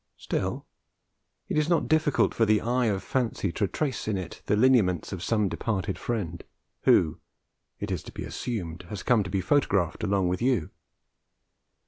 Still, it is not difficult for the eye of fancy to trace in it the lineaments of some departed friend, who, it is to be assumed, has come to be photographed along with you.